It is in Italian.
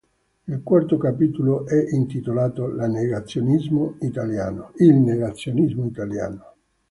Il quarto capitolo è intitolato "Il negazionismo italiano".